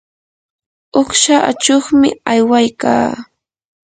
uqsha achuqmi aywaykaa.